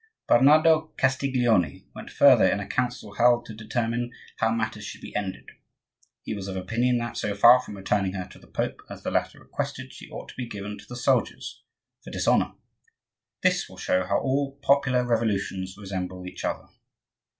Bernardo Castiglione went further in a council held to determine how matters should be ended: he was of opinion that, so far from returning her to the Pope as the latter requested, she ought to be given to the soldiers for dishonor. This will show how all popular revolutions resemble each other.